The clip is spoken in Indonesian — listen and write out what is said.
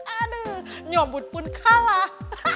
aduh nyomot pun kalah